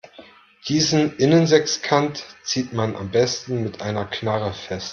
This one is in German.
Diesen Innensechskant zieht man am besten mit einer Knarre fest.